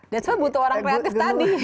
that's why butuh orang kreatif tadi